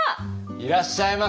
いらっしゃいませ。